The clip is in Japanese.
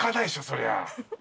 そりゃ。